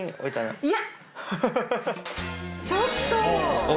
ちょっと！